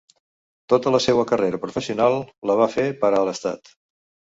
Tota la seua carrera professional la va fer per a l'Estat.